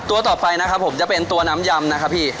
ตัวต่อไปนะครับผมจะเป็นตัวน้ำยำนะครับพี่